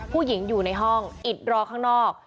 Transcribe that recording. อยู่ในห้องอิดรอข้างนอก